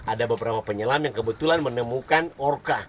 ada beberapa penyelam yang kebetulan menemukan orka